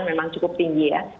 memang cukup tinggi ya